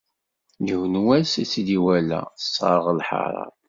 Yiwen wass i tt-id-iwala, tesserɣ lḥaṛa.